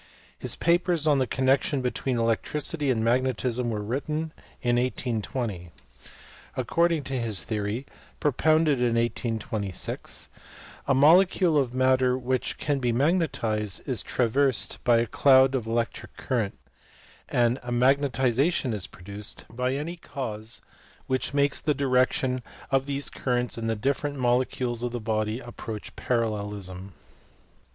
His papers on the connection between electricity and magnetism were written in 1820. According to his theory, propounded in 1826, a molecule of matter which can be mag netized is traversed by a closed electric current, and magnet ization is produced by any cause which makes the direction of these currents in the different molecules of the body approach parallelism.